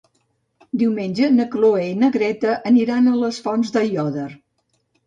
Diumenge na Cloè i na Greta aniran a les Fonts d'Aiòder.